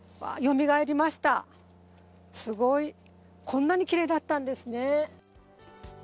こんなにきれいだったんですね。